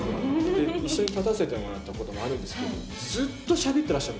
一緒に立たせてもらったことあるんですけど、ずっとしゃべってらっしゃる。